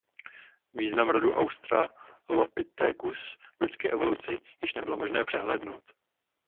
Význam rodu "Australopithecus" v lidské evoluci již nebylo možné přehlédnout.